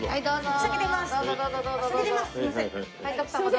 先出ます。